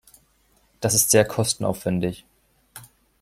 Das ist sehr kostenaufwendig.